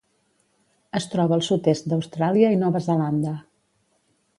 Es troba al sud-est d'Austràlia i Nova Zelanda.